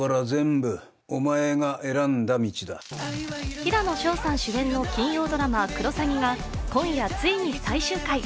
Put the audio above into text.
平野紫耀さん主演の金曜ドラマ「クロサギ」が今夜ついに最終回。